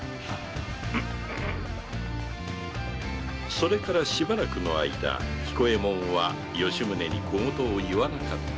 それからしばらくの間彦右衛門は吉宗に小言を言わなかった。